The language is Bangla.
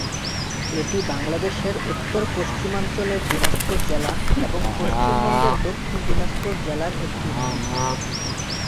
এটি বাংলাদেশের উত্তর-পশ্চিমাঞ্চলের দিনাজপুর জেলা এবং পশ্চিমবঙ্গের দক্ষিণ দিনাজপুর জেলার একটি নদী।